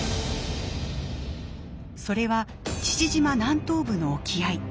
それは父島南東部の沖合。